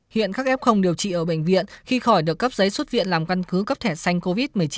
hiện các f không điều trị ở bệnh viện khi khỏi được cấp giấy xuất viện làm căn cứ cấp thẻ xanh covid một mươi chín